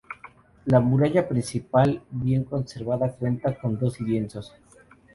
La muralla principal, bien conservada, cuenta con dos lienzos.